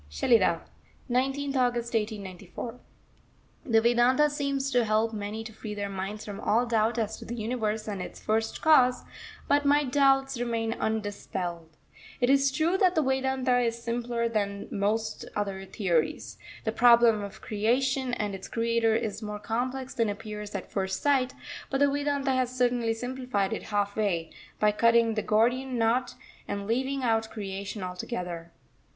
SHELIDAH, 19th August 1894. The Vedanta seems to help many to free their minds from all doubt as to the Universe and its First Cause, but my doubts remain undispelled. It is true that the Vedanta is simpler than most other theories. The problem of Creation and its Creator is more complex than appears at first sight; but the Vedanta has certainly simplified it half way, by cutting the Gordian knot and leaving out Creation altogether.